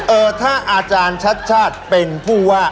เออถ้าอาจารย์ชัดชาติเป็นผู้ว่า